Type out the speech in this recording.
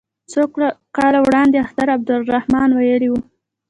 څو کاله وړاندې اختر عبدالرحمن ویلي وو.